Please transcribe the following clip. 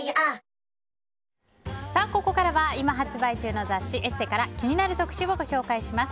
ここからは今、発売中の雑誌「ＥＳＳＥ」から気になる特集をご紹介します。